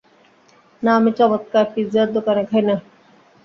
না, আমি চমৎকার পিৎজার দোকানে খাই না।